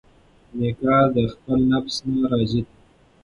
میکا د خپل نفس نه راضي دی.